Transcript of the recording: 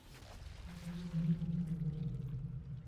তারা সোনার বেল্ট এবং কানে গয়না পরতেন।